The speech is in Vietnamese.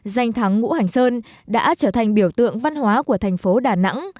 danh thắng ngũ hành sơn đã trở thành biểu tượng văn hóa của thành phố đà nẵng